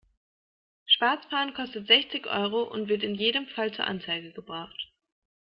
Schwarzfahren kostet sechzig Euro und wird in jedem Fall zur Anzeige gebracht.